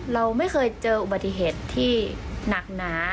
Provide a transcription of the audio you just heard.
เราไม่เคยเจออุบัติเหตุที่หนักหนา